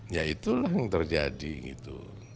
ya itulah yang terjadi gitu